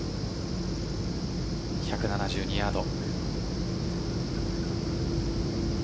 １７２ヤード。